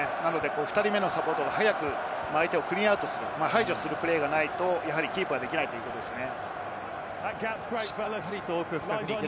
２人目のサポートが早く相手をクリーンアウトする、排除するプレーがないとキープできないということですね。